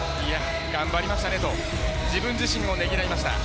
頑張りましたねと自分自身をねぎらいました。